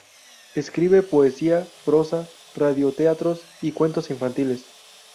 Escribe poesía, prosa, radioteatros y cuentos infantiles.